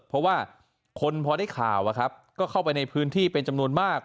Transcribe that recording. เพราะว่าคนพอได้ข่าวก็เข้าไปในพื้นที่เป็นจำนวนมาก